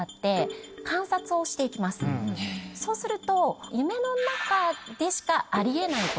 そうすると夢の中でしかあり得ないこと